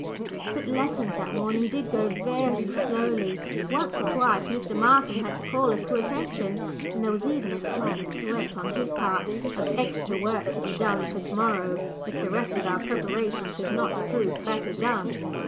But lessons that morning did go very slowly. Once or twice Mr. Markham had to call us to attention, and there was even a slight threat on his part of "extra work to be done for to morrow," if the rest of our preparation should not prove better done.